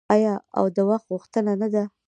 آیا او د وخت غوښتنه نه ده؟